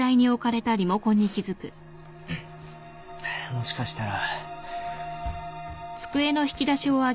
もしかしたら。